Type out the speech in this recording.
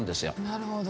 なるほど。